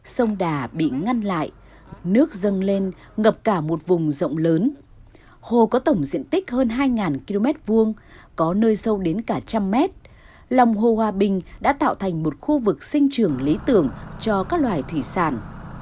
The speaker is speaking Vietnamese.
sông đà bị ngăn lại nước dâng lên ngập cả một vùng rộng lớn hồ có tổng diện tích hơn hai km hai có nơi sâu đến cả trăm mét lòng hồ hòa bình đã tạo thành một khu vực sinh trường lý tưởng cho các loài thủy sản